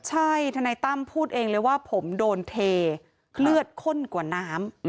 ใช่ทนายตั้มพูดเองเลยว่าผมโดนเทเลือดข้นกว่าน้ำ